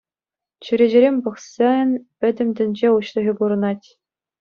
Чӳречерен пӑхсен пӗтӗм тӗнче уҫлӑхӗ курӑнать.